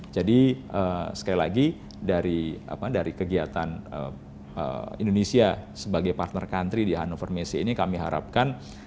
jadi sekali lagi dari kegiatan indonesia sebagai partner country di hannover messe ini kami harapkan